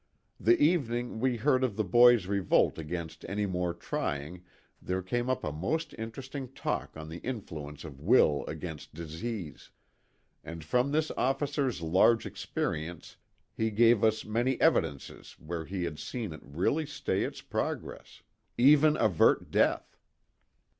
The evening we heard of the boy's revolt against any more trying there came up a most interesting talk on the influence of will against disease ; and from this officer's large experience he gave us many evidences where he had seen it really stay its progress even avert death.